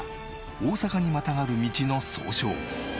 大阪にまたがる道の総称。